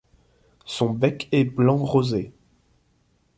Son bec est blanc rosé.